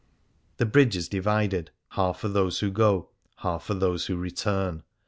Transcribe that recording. The bridge is divided — half for those who go, half for those who return.